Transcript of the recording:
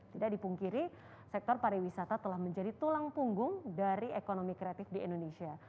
tidak dipungkiri sektor pariwisata telah menjadi tulang punggung dari ekonomi kreatif di indonesia